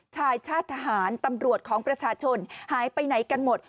ชายชาติทหารตำรวจของประชาชนหายไปไหนกันหมด